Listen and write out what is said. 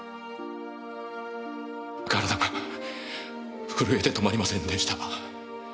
体が震えて止まりませんでした。